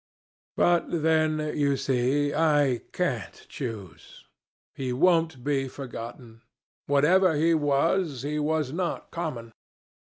But then, you see, I can't choose. He won't be forgotten. Whatever he was, he was not common.